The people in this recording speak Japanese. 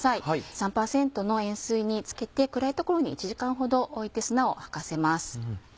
３％の塩水につけて暗い所に１時間ほどおいて砂を吐かせます。